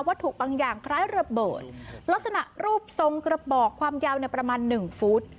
วัตถุบางอย่างคล้ายระเบิดลักษณะรูปทรงกระบอกความยาวประมาณ๑ฟุต